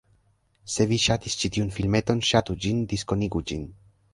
Se vi ŝatis ĉi tiun filmeton, ŝatu ĝin, diskonigu ĝin